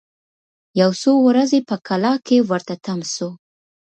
یو څو ورځي په کلا کي ورته تم سو